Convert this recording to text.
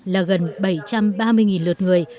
là gần bảy trăm ba mươi lượt người